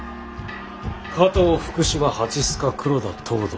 加藤福島蜂須賀黒田藤堂